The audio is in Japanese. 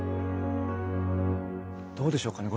どうでしょうかね？